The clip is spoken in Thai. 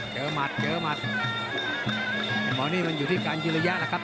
เจอมัดเจอมัดมันนี่มันอยู่ที่การยืนระยะล่ะครับ